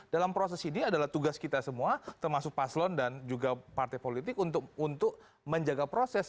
dalam proses ini adalah tugas kita semua termasuk paslon dan juga partai politik untuk menjaga proses